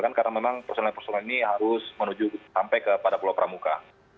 karena memang personil personil ini harus menuju sampai ke pulau pramuka